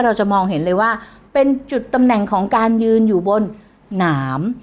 เราจะมองเห็นเลยว่าเป็นจุดตำแหน่งของการยืนอยู่บนหนาม